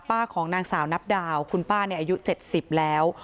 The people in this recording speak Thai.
ป้าของนางสาวนับดาวคุณป้าเนี่ยอายุเจ็ดสิบแล้ว